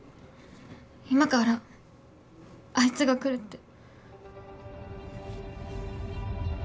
今からあいつが来るって。